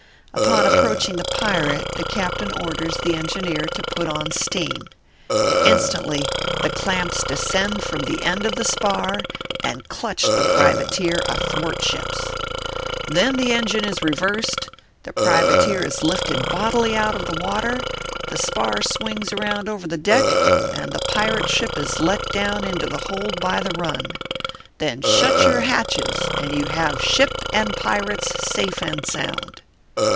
Upon approaching the pirate, the captain orders the engineer to put on steam. Instantly the clamps descend from the end of the spar and clutch the privateer athwartships. Then the engine is reversed, the privateer is lifted bodily out of the water, the spar swings around over the deck, and the pirate ship is let down into the hold ORPHEUS C. KERK PAPERS. 87 by the run. Then shut your hatches, and you have ship and pirates safe and sound."